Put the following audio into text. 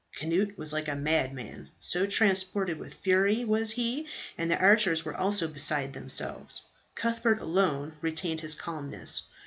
Cnut was like a madman, so transported with fury was he; and the archers were also beside themselves. Cuthbert alone retained his calmness.